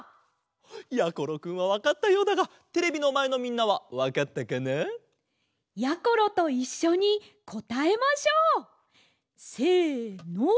やころくんはわかったようだがテレビのまえのみんなはわかったかな？やころといっしょにこたえましょう！せの。